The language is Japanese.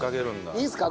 いいですか？